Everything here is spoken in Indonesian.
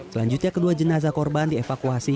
selanjutnya kedua jenazah korban dievakuasi